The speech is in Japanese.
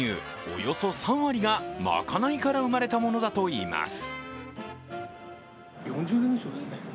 およそ３割がまかないから生まれたものだといいます。